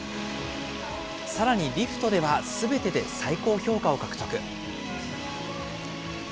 さらにリフトでは、すべてで最高評価を獲得。